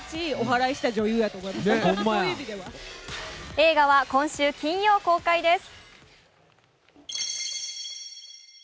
映画は今週金曜公開です。